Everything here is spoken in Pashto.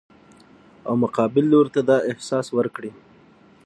او مقابل لوري ته دا احساس ورکړي